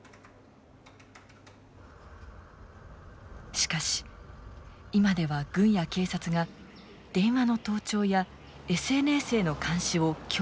しかし今では軍や警察が電話の盗聴やＳＮＳへの監視を強化。